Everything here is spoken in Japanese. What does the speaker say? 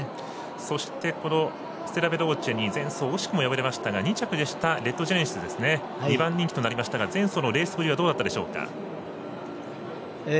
そして、ステラヴェローチェに前走惜しくも敗れましたが２着でしたレッドジェネシス２番人気となりましたが前走のレースぶりはどうだったでしょうか？